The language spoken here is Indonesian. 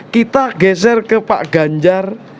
kita geser ke pak ganjar